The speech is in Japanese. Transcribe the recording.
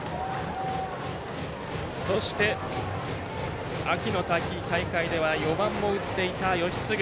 そして、秋の大会では４番も打っていた吉次。